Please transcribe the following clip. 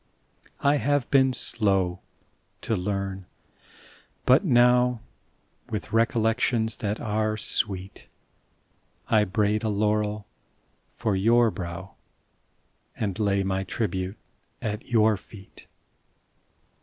I have been slow to learn, but now, With recollections ■ that are sweet, I braid a laurel for your brow And lay my tribute at your eet.